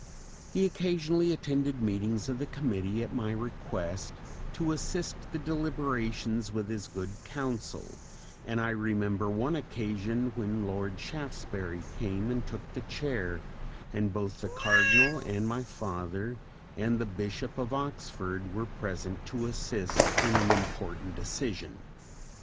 He occasionally attended meetings of the committee at my request to assist the deliberations with his good counsel, and I remember one occasion when Lord Shaftesbury came and took the chair, and both the Cardinal and my father and the Bishop of Oxford were present to assist in an important decision.